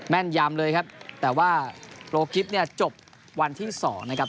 แม่นยามเลยครับแต่ว่าโรคลิปนี้จบวันที่๒นะครับ